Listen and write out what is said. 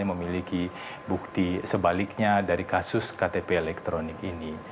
memiliki bukti sebaliknya dari kasus ktp elektronik ini